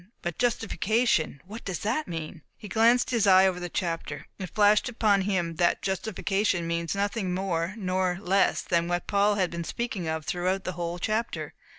But justification, what does that mean?" He glanced his eye over the chapter. It flashed upon him that justification means nothing more nor less than what Paul had been speaking of throughout the whole chapter.